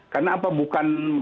karena apa bukan